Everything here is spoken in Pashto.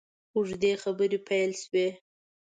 اوږدې خبرې پیل شوې.